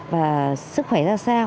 và sức khỏe ra sao